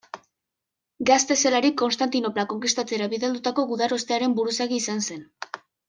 Gazte zelarik, Konstantinopla konkistatzera bidalitako gudarostearen buruzagi izan zen.